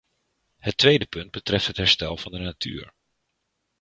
Het tweede punt betreft het herstel van de natuur.